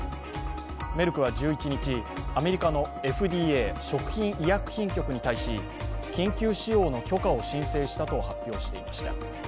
メルクは１１日、アメリカのＦＤＡ＝食品医薬品局に対し、緊急使用の許可を申請したと発表していました。